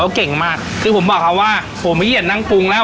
แล้วก็เก่งมากคือผมบอกเขาว่าผมไม่เห็นนั่งปรุงแล้ว